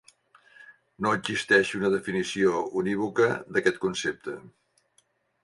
No existeix una definició unívoca d'aquest concepte.